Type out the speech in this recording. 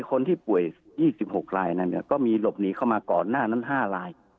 คนที่ป่วยยี่สิบหกลายนั่นเนี้ยก็มีหลบหนีเข้ามาก่อนหน้านั้นห้าลาย